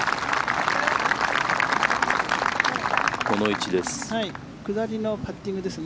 この位置です。